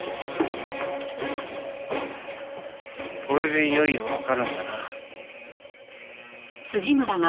これでいよいよわかるんだな？